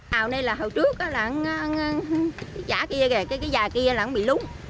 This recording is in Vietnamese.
hồi trước là cái chả kia kìa cái dài kia là nó bị lúng